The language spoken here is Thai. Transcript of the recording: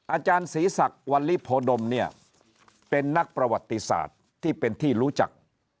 อาจารย์ศรีศักดิ์วัลลิโพดมเนี่ยเป็นนักประวัติศาสตร์ที่เป็นที่รู้จัก